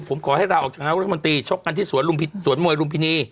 ผมขอให้ลาออกจากนายกรัฐมนตรีชกกันที่สวนมวยลุมพินี